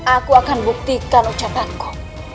aku akan buktikan ucapanku